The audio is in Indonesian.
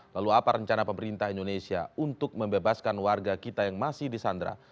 lalu apa rencana pemerintah indonesia untuk membebaskan warga kita yang masih di sandra